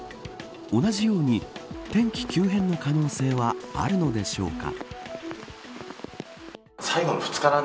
同じように、天気急変の可能性はあるのでしょうか。